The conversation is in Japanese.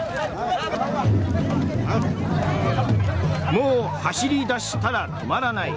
もう走り出したら止まらない。